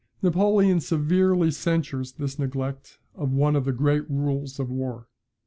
Napoleon severely censures this neglect of one of the great rules of war.